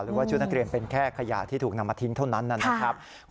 หรือว่าชุดนักเรียนเป็นแค่ขยะที่ถูกนำมาทิ้งเท่านั้นนะครับ